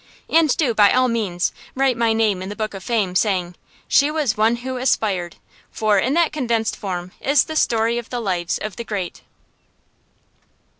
And do, by all means, write my name in the book of fame, saying, She was one who aspired. For that, in condensed form, is the story of the lives of the great.